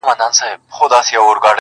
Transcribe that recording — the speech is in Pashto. o ترخه د طعن به غوځار کړي هله,